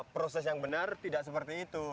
proses yang benar tidak seperti itu